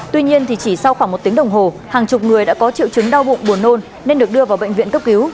tuy nhiên chỉ sau khoảng một tiếng đồng hồ hàng chục người đã có triệu chứng đau bụng buồn nôn nên được đưa vào bệnh viện cấp cứu